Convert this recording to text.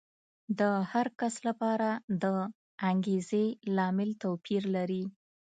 د هر کس لپاره د انګېزې لامل توپیر لري.